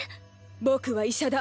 僕は医者だ。